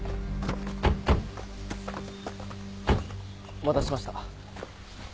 お待たせしました。